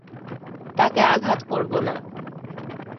তাকে আঘাত করবো না।